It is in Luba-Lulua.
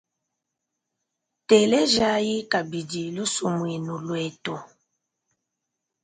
Telejayi kabidi lusumuinu lwetu.